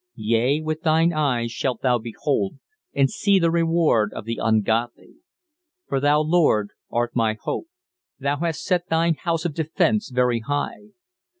"Yea, with thine eyes shalt thou behold: and see the reward of the ungodly. "For thou, Lord, art my hope: thou hast set thine house of defence very high.